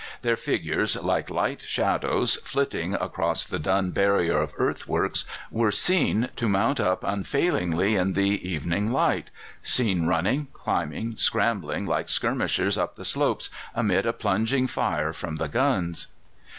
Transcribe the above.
Their figures, like light shadows flitting across the dun barrier of earthworks, were seen to mount up unfailingly in the evening light seen running, climbing, scrambling like skirmishers up the slopes amid a plunging fire from the guns.